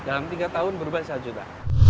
dalam tiga tahun berubah satu juta